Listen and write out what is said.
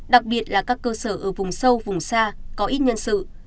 đặc biệt là các cơ sở ở vùng sâu vùng xa có ít nhân sự